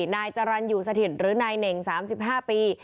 นายจรรย์อยู่สถิตหรือนายเหน่ง๓๕ปี